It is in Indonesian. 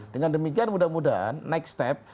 dengan demikian mudah mudahan next step